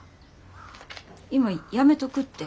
今やめとくって。